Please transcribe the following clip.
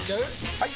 ・はい！